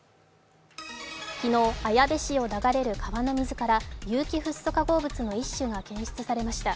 昨日、綾部市を流れる川の水から有機フッ素化合物の一種が検出されました。